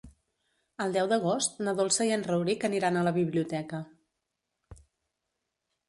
El deu d'agost na Dolça i en Rauric aniran a la biblioteca.